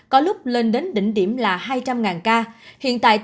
có lúc lên đến đỉnh điểm hai trăm linh ca hiện tại